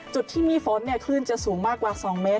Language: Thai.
จุดที่มีฝนคลื่นจะสูงมากกว่า๒เมตร